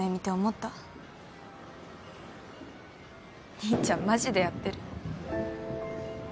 兄ちゃんマジでやってる。